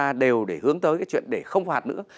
chúng ta đều để hướng tới cái chuyện để không phạt nữa